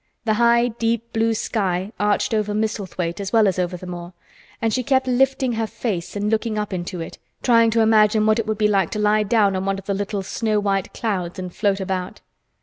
The high, deep, blue sky arched over Misselthwaite as well as over the moor, and she kept lifting her face and looking up into it, trying to imagine what it would be like to lie down on one of the little snow white clouds and float about.